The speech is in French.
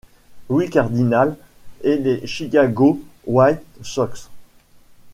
Louis Cardinals et les Chicago White Sox.